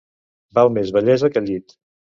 Val més vellesa que llit.